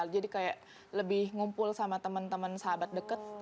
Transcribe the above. jadi kayak lebih ngumpul sama teman teman sahabat deket